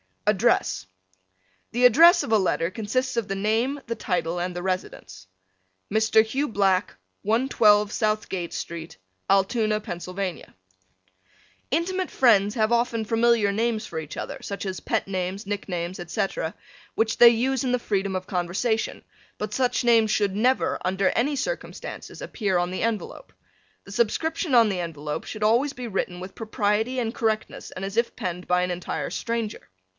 ADDRESS The address of a letter consists of the name, the title and the residence. Mr. Hugh Black, 112 Southgate Street, Altoona, Pa. Intimate friends have often familiar names for each other, such as pet names, nicknames, etc., which they use in the freedom of conversation, but such names should never, under any circumstances, appear on the envelope. The subscription on the envelope should be always written with propriety and correctness and as if penned by an entire stranger.